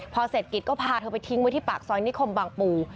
พอเสร็จกิจก็พาเธอไปทิ้งไว้ที่ปากซอยนิคมบางปู